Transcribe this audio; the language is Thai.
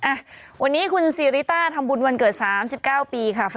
อ่ะวันนี้คุณซีริต้าทำบุญวันเกิด๓๙ปีค่ะ